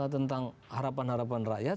tentang harapan harapan rakyat